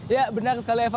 ya benar sekali eva